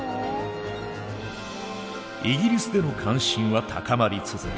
イギリスでの関心は高まり続け